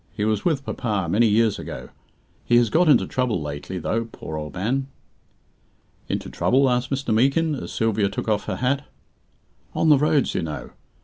"He was with papa many years ago. He has got into trouble lately, though, poor old man." "Into trouble?" asked Mr. Meekin, as Sylvia took off her hat. "On the roads, you know.